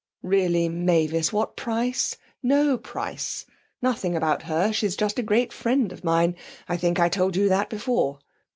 'Really, Mavis! What price? No price. Nothing about her; she's just a great friend of mine. I think I told you that before.